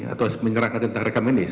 atau menyerangkan tentang rekan medis